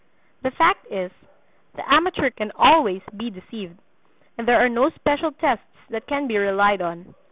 The fact is, the amateur can always be deceived, and there are no special tests that can be relied on.